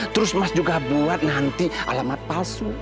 terus mas juga buat nanti alamat palsu